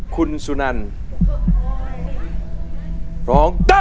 คุณสุนันร้องได้